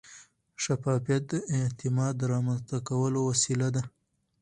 شفافیت د اعتماد رامنځته کولو وسیله ده.